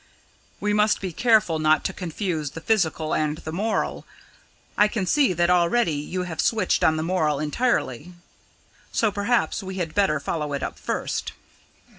"We must be careful not to confuse the physical and the moral. I can see that already you have switched on the moral entirely, so perhaps we had better follow it up first.